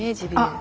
あ！